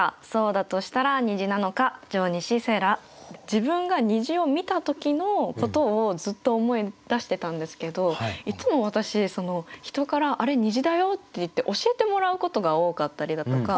自分が虹を見た時のことをずっと思い出してたんですけどいつも私人から「あれ虹だよ」って言って教えてもらうことが多かったりだとか